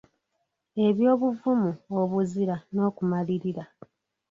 Eby'obuvumu, obuzira n'okumalirira.